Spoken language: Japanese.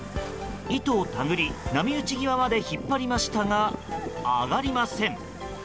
糸を手繰り、波打ち際まで引っ張りましたが上がりません。